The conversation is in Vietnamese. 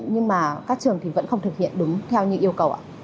nhưng mà các trường thì vẫn không thực hiện đúng theo như yêu cầu ạ